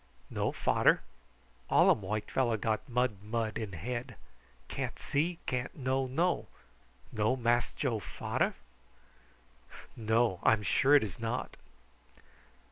"No fader? All um white fellow got mud mud in head. Can't see, can't know know. No Mass Joe fader?" "No, I am sure it is not."